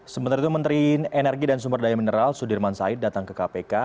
sementara itu menteri energi dan sumber daya mineral sudirman said datang ke kpk